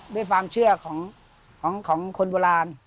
ด้วยความเชื่อของคนโบราณ